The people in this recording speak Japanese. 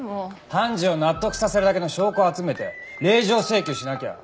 判事を納得させるだけの証拠を集めて令状請求しなきゃ。